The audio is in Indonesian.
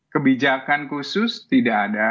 kebijakan khusus tidak ada